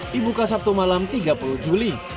dibuka sabtu malam tiga puluh juli